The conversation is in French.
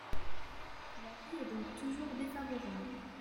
L’avis est donc toujours défavorable.